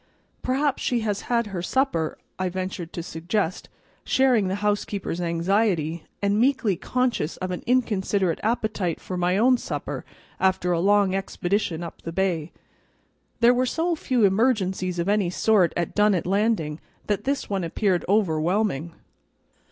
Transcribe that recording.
"Perhaps she has had her supper," I ventured to suggest, sharing the housekeeper's anxiety, and meekly conscious of an inconsiderate appetite for my own supper after a long expedition up the bay. There were so few emergencies of any sort at Dunnet Landing that this one appeared overwhelming.